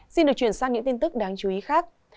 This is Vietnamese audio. xin được chuyển sang những tin tức đáng chú ý khác